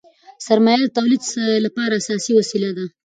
سرمایه د تولید لپاره اساسي وسیله ده.